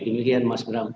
demikian mas bram